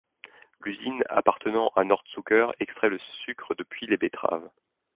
L'usine appartenant à Nordzucker extrait le sucre depuis les betteraves.